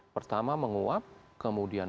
pertama menguap kemudian